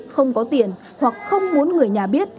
không có tiền hoặc không muốn người nhà biết